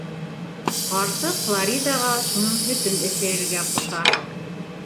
Ҡарсыҡ Флоридаға шуның һөтөн эсерергә ҡуша.